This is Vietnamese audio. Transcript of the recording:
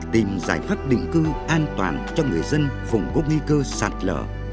tìm giải pháp định cư an toàn cho người dân vùng gốc nghi cơ sạt lở